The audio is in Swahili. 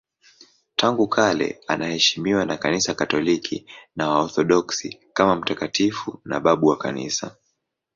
Tangu kale anaheshimiwa na Kanisa Katoliki na Waorthodoksi kama mtakatifu na babu wa Kanisa.